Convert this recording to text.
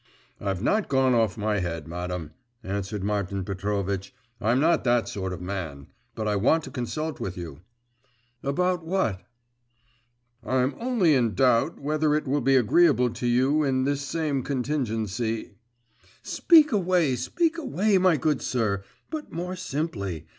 'I've not gone off my head, madam,' answered Martin Petrovitch; 'I'm not that sort of man. But I want to consult with you.' 'What about?' 'I'm only in doubt, whether it will be agreeable to you in this same contingency ' 'Speak away, speak away, my good sir, but more simply.